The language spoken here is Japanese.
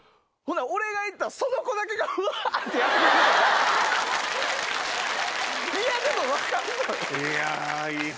俺が行ったらその子だけがうわ！ってやってくれるのが嫌でも分かるのよ。